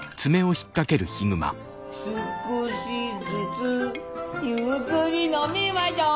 「少しずつゆっくり飲みましょ」